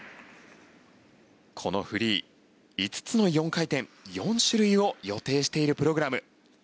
このフリー、５つの４回転４種類を予定しているプログラム。